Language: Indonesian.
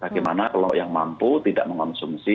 bagaimana kalau yang mampu tidak mengkonsumsi barang bersubsidi